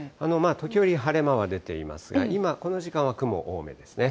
時折、晴れ間は出ていますが、今、この時間は雲多めですね。